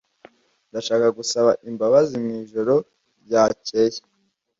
Ndashaka gusaba imbabazi mwijoro ryakeye.